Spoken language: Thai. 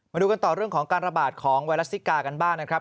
มาดูกันต่อเรื่องของการระบาดของไวรัสซิกากันบ้างนะครับ